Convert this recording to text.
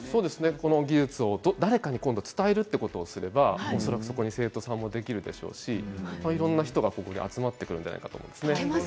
この技術を伝えるということをできれば生徒さんも増えるでしょうしいろんな人が集まってくるんじゃないかと思います。